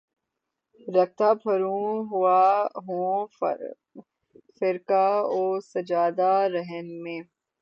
رکھتا پھروں ہوں خرقہ و سجادہ رہن مے